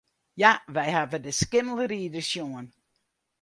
Ja, wy hawwe de Skimmelrider sjoen.